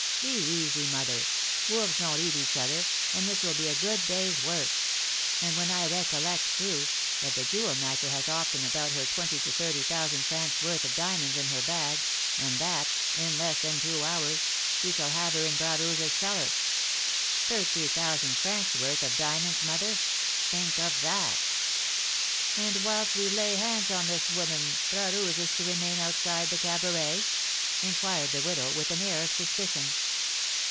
Be easy, mother; wolves don't eat each other, and this will be a good day's work; and when I recollect, too, that the jewel matcher has often about her twenty to thirty thousand francs' worth of diamonds in her bag, and that, in less than two hours, we shall have her in Bras Rouge's cellar! Thirty thousand francs' worth of diamonds, mother! Think of that!" "And, whilst we lay hands on this woman, Bras Rouge is to remain outside the cabaret?" inquired the widow, with an air of suspicion.